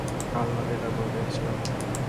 কাল রাতে এটা বলতেই এসেছিলাম।